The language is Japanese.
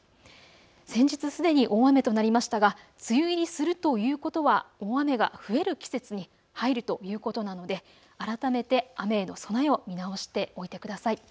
先日すでに大雨となりましたが梅雨入りするということは大雨が増える季節に入るということなので改めて雨への備えを見直しておいてください。